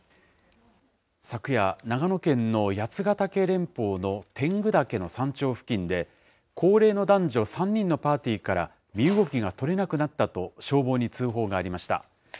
昨夜、長野県の八ヶ岳連峰の天狗岳の山頂付近で、高齢の男女３人のパーティーから、身動きが取れなくなったと消防に通報がありました。